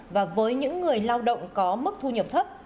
và với những người lao động có mức thu nhập thấp